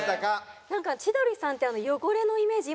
なんか千鳥さんって汚れのイメージ